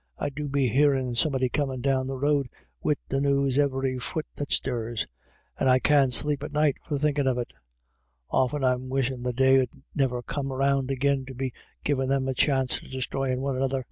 I do be hearin' somebody comin' down the road wid the news every fut that stirs. And I can't sleep at night for thinkin' of it Often I'm wishin' the day *ud niver come round agin to be givin' thim a chanst of desthroyin' one another.